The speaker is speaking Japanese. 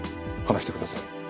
話してください。